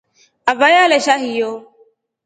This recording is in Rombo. Avae alesha hiyo.